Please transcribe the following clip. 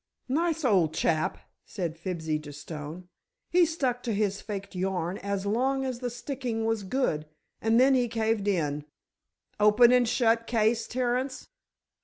"Nice old chap," said Fibsy to Stone. "He stuck to his faked yarn as long as the sticking was good, and then he caved in." "Open and shut case, Terence?"